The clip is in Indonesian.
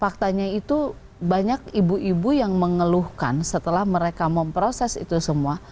faktanya itu banyak ibu ibu yang mengeluhkan setelah mereka memproses itu semua